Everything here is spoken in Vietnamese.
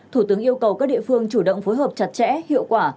thủ tướng yêu cầu các địa phương chủ động phối hợp chặt chẽ hiệu quả